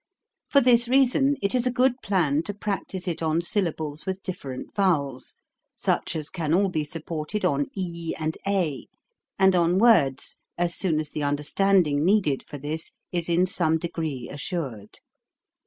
For this reason it is a good plan to practise it on syllables with different vowels, such as can all be supported on e and a, and on words, as soon as the understanding needed for this is in some degree assured.